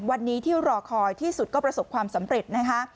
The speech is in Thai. วันนี้ที่รอคอยที่สุดก็ประสบความสำเร็จนะคะ